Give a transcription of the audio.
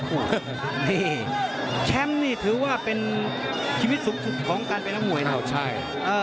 คัมนี่ถือว่าเป็นชีวิตสุดสุดของการเป็นน้ำหมวยนะครับ